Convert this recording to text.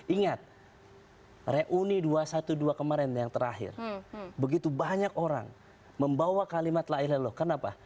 ingat reuni dua satu dua kemarin yang terakhir begitu banyak orang membawa kalimat la ilaha illallah kenapa